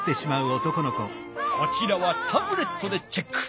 こちらはタブレットでチェック。